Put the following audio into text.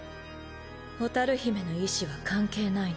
蛍姫の意思は関係ないの。